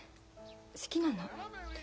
好きなの。